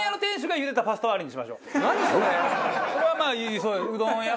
それはまあうどん屋。